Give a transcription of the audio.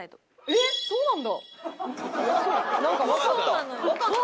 えっそうなん？